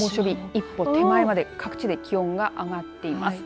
一歩手前まで各地で気温が上がってます。